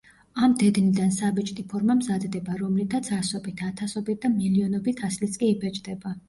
ამ დედნიდან საბეჭდი ფორმა მზადდება, რომლითაც ასობით, ათასობით და მილიონობით ასლიც კი იბეჭდება.